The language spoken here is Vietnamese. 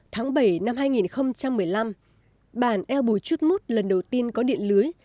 tháng bảy năm hai nghìn một mươi năm bản eo bùi chút mút lần đầu tiên có điện lưới